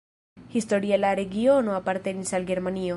Historie la regiono apartenis al Germanio.